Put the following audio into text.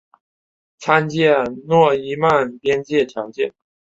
参见诺伊曼边界条件。